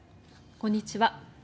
こんにちは。